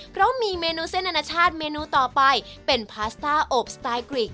เพราะมีเมนูเส้นอนาชาติเมนูต่อไปเป็นพาสต้าโอบสไตล์กริก